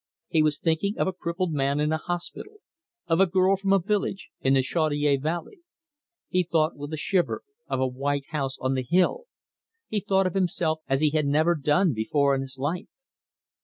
He was thinking of a crippled man in a hospital, of a girl from a village in the Chaudiere Valley. He thought with a shiver of a white house on the hill. He thought of himself as he had never done before in his life.